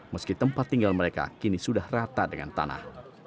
meski tempat tinggal mereka kini sudah rata dengan tanah